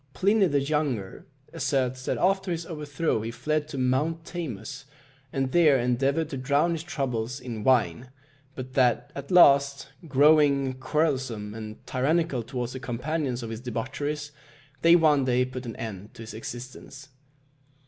Pliny the Younger asserts that after his overthrow he fled to Mount Tamus, and there endeavoured to drown his troubles in wine; but that at last, growing quarrelsome and tyrannical towards the companions of his debaucheries, they one day put an end to his existence.